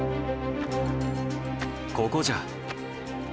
ここじゃ。